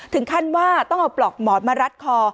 ถึงขั้นว่าต้องเอาปลอกหมอนมารัดคอ